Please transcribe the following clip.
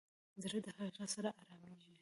زړه د حقیقت سره ارامېږي.